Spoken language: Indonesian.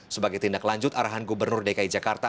sebagai tindak lanjut arahan gubernur dki jakarta